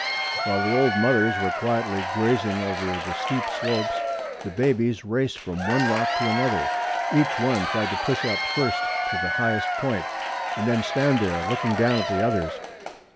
While the old mothers were quietly grazing over the steep slopes the babies raced from one rock to another. Each one tried to push up first to the highest point, and then stand there, looking down at the others.